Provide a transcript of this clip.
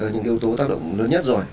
những yếu tố tác động lớn nhất rồi